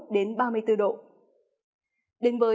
đến với thông tin